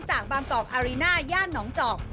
จากบางกอกอารีน่าย่านหนองจอก